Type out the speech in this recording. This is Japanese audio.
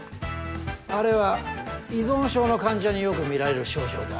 あれは依存症の患者によく見られる症状だ。